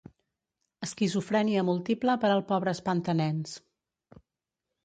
Esquizofrènia múltiple per al pobre espanta-nens.